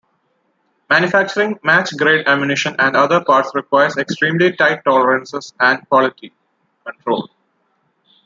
Manufacturing match grade ammunition and other parts requires extremely tight tolerances and quality control.